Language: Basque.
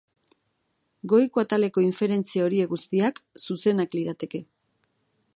Goiko ataleko inferentzia horiek guztiak zuzenak lirateke.